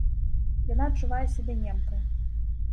Яна адчувае сябе немкай.